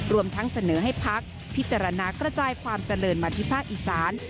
รวมทั้งเสนอให้พักพิจารณากระจายความเจริญมาที่ภาคอีสาน